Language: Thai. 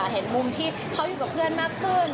เห็นมุมที่เขาอยู่กับเพื่อนมากขึ้น